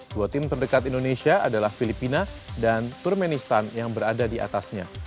dua tim terdekat indonesia adalah filipina dan turmenistan yang berada di atasnya